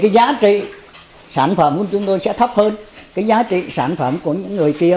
giá trị sản phẩm của chúng tôi sẽ thấp hơn giá trị sản phẩm của những người kia